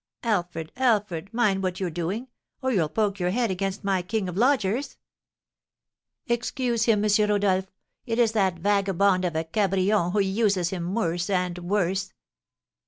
Alfred, Alfred, mind what you're doing, or you'll poke your head against my king of lodgers. Excuse him, M. Rodolph. It is that vagabond of a Cabrion, who uses him worse and worse.